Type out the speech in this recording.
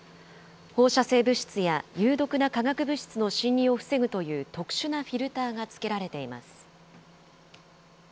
放射性物質や有毒な化学物質の侵入を防ぐという特殊なフィルターがつけられています。